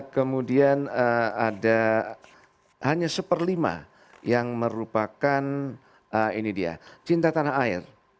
kemudian ada hanya seperlima yang merupakan ini dia cinta tanah air